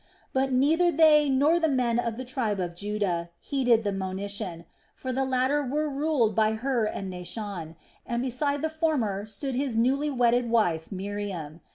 But neither they nor the men of the tribe of Judah heeded the monition; for the latter were ruled by Hur and Naashon, and beside the former stood his newly wedded wife Miriam.